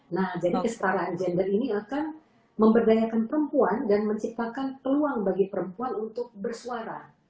nah jadi kestaraan gender ini akan memberdayakan perempuan dan menciptakan peluang bagi perempuan untuk bersuara